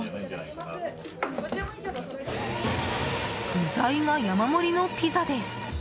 具材が山盛りのピザです。